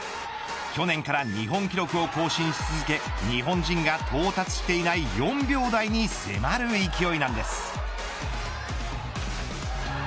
去年から日本記録を更新し続け日本人が到達していない４秒台に迫る勢いなんです。